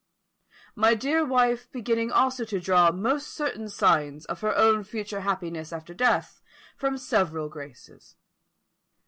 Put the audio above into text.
My dear wife beginning also to draw most certain signs of her own future happiness after death from several graces.